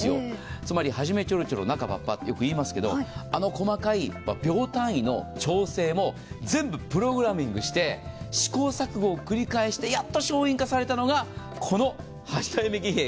つまりはじめちょろちょろ中ぱっぱとよく言いますけど、あの細かい秒単位の調整も全部プログラミングして試行錯誤を繰り返してやっと商品化されたのが、この八代目儀兵衛